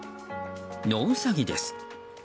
野ウサギです。